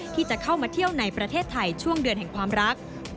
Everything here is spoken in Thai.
ที่จะเข้ามาเที่ยวในประเทศไทยช่วงเดือนแห่งความรัก